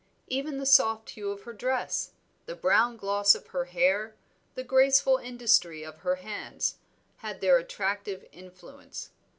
Even the soft hue of her dress, the brown gloss of her hair, the graceful industry of her hands, had their attractive influence.